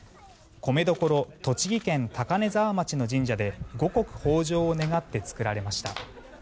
米どころ栃木県高根沢町の神社で五穀豊穣を願って作られました。